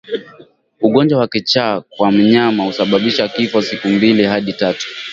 Ugonjwa wa kichaa kwa mnyama husababisha kifo siku mbili hadi tatu